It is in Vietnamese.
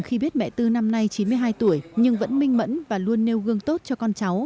khi biết mẹ tư năm nay chín mươi hai tuổi nhưng vẫn minh mẫn và luôn nêu gương tốt cho con cháu